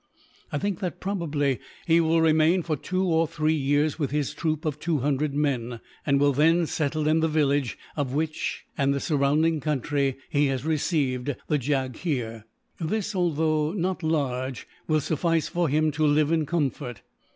I think that, probably, he will remain for two or three years with his troop of two hundred men; and will then settle in the village, of which and the surrounding country he has received the jagheer. This, although not large, will suffice for him to live in comfort.